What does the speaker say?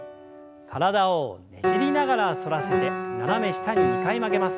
体をねじりながら反らせて斜め下に２回曲げます。